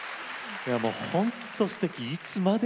本当すてき